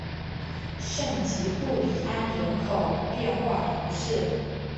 圣吉布里安人口变化图示